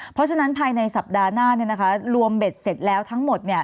เพราะฉะนั้นภายในสัปดาห์หน้ารวมเบ็ดเสร็จแล้วทั้งหมด